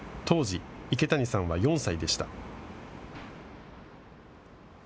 当時、池谷さんは４歳でした。